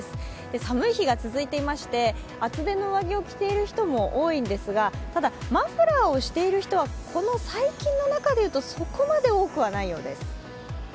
寒い日が続いていまして厚手の上着を着ている人も多いんですが、ただ、マフラーをしている人はこの最近の中でいうと、そこまで多くはないようです。